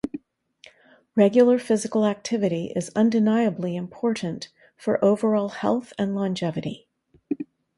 Regular physical activity is undeniably important for overall health and longevity.